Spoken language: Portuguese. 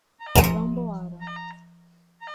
Tamboara